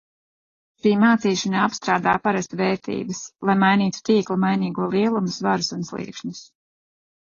Šī mācīšanā apstrādā parasti vērtības, lai mainītu tīkla mainīgo lielumu svarus un sliekšņus.